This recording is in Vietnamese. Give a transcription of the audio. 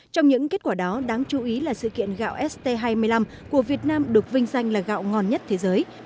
trong những kết quả đó đáng chú ý là sự kiện gạo st hai mươi năm của việt nam được vinh danh là gạo ngon nhất thế giới